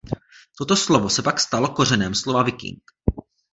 Toto slovo se pak stalo kořenem slova "Viking".